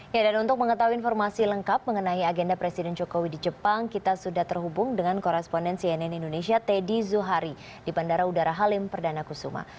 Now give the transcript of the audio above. ya dan untuk mengetahui informasi lengkap mengenai agenda presiden jokowi di jepang kita sudah terhubung dengan koresponden cnn indonesia teddy zuhari di bandara udara halim perdana kusuma